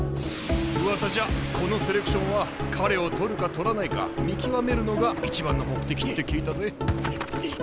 うわさじゃこのセレクションは彼を獲るか獲らないか見極めるのが一番の目的って聞いたぜ。